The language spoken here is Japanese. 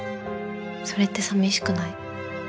それって寂しくない？